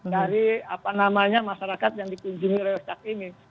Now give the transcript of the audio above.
dari apa namanya masyarakat yang dikunjungi rezak ini